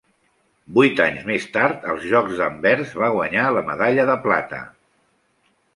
Vuit anys més tard, als Jocs d'Anvers, va guanyar la medalla de plata.